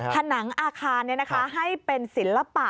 ผนังอาคารให้เป็นศิลปะ